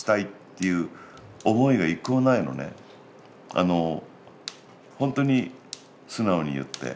あのほんとに素直に言って。